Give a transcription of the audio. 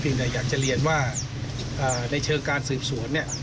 เพียงอยากจะเลียนว่าในเชิญการสืบศวน